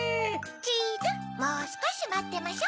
チーズもうすこしまってましょ。